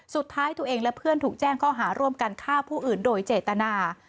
สุดท้ายตัวเองและเพื่อนถูกแจ้งข้อหาร่วมกันฆ่าผู้อื่นโดยเจตนา